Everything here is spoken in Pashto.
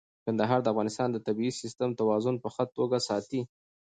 کندهار د افغانستان د طبیعي سیسټم توازن په ښه توګه ساتي.